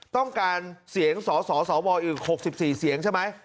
ต้องการเสียงสสวอีก๖๔เสียงใช่ไหม